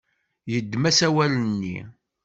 Yeddem asawal-nni.